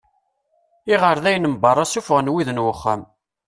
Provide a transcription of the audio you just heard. Iɣerdayen n berra ssufɣen wid n uxxam.